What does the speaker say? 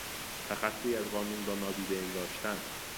تخطی از قانون را نادیده انگاشتن